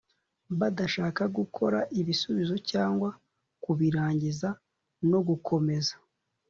badashaka gukora ibisubizo cyangwa kubirangiza no gukomeza